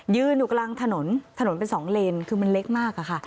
ยืนอยู่กลางถนนถนนเป็นสองเลนคือมันเล็กมากอะค่ะ